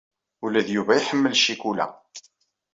Ula d Yuba iḥemmel ccikula.